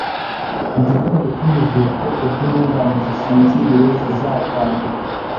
mu gitondo cy’umuzuko ubwo intungane zisinziriye zizakanguka,